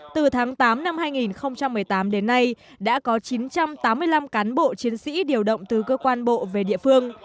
từ tháng tám năm hai nghìn một mươi tám đến nay đã có chín trăm tám mươi năm cán bộ chiến sĩ điều động từ cơ quan bộ về địa phương